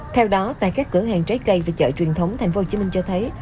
theo đó tại các cửa hàng trái cây và chợ truyền thống tp hcm cho thấy